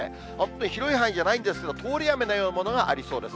広い範囲じゃないんですけど、通り雨のようなものがありそうです。